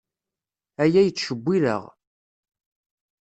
Aya yettcewwil-aɣ.